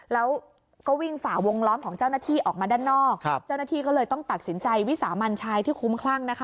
แล้วก็วิ่งฝ่าวงล้อมของเจ้าหน้าที่ออกมาด้านนอกเจ้าหน้าที่ก็เลยต้องตัดสินใจวิสามันชายที่คุ้มคลั่งนะคะ